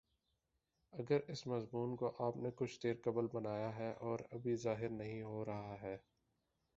اگر اس مضمون کو آپ نے کچھ دیر قبل بنایا ہے اور ابھی ظاہر نہیں ہو رہا ہے